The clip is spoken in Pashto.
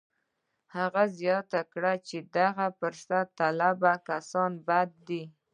هغه زیاته کړه چې دغه فرصت طلبي کسان بد دي